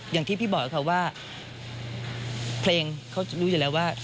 อย่างที่พี่บอกค่ะว่าเพลงเขารู้อยู่แล้วว่า